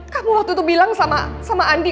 kamu waktu itu bilang sama andi